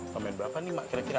kamu main berapa nih mak kira kira